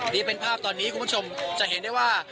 นี่เป็นภาพตอนนี้คุณผู้ชมจะเห็นได้ว่า